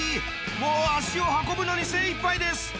もう足を運ぶのに精いっぱいです。